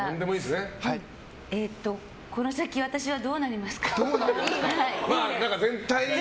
この先、私はどうなりますか？